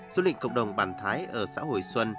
du lịch cộng đồng bản thái ở xã hồi xuân